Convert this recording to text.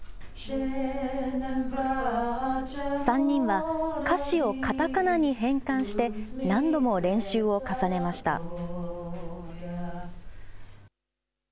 ３人は歌詞をカタカナに変換して何度も練習を重ねました。